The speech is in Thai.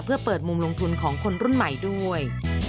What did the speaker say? เพื่อเปิดมุมลงทุนของคนรุ่นใหม่ด้วย